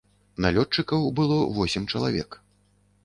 Налётчыкаў было восем чалавек.